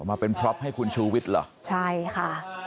มาเป็นพล็อปให้คุณชูวิทย์เหรอใช่ค่ะ